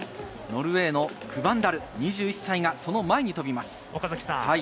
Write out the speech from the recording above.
ノルウェーのクヴァンダル、２１歳がその前に飛びます。